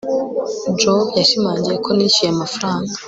joe yashimangiye ko nishyuye amafaranga